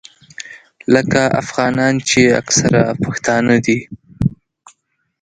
لکه افغانان چې اکثره پښتانه دي.